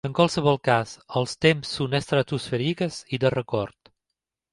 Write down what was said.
En qualsevol cas, els temps són estratosfèrics i de rècord.